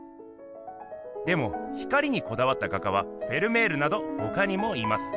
でも光にこだわった画家はフェルメールなどほかにもいます。